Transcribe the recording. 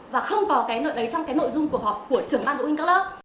và không có cái nội dung của họp của trưởng ban phụ huynh các lớp